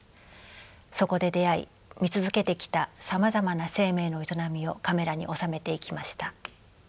そこで出会い見続けてきたさまざまな生命の営みをカメラに収めていきました。